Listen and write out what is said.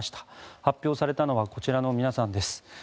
発表されたのはこちらの皆さんです。